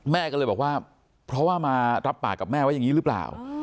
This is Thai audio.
แม่ก็เลยบอกว่าเพราะว่ามารับปากกับแม่ไว้อย่างนี้หรือเปล่า